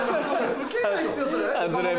ウケないっすよそれ。